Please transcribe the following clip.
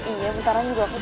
iya bentarannya gua ke pulang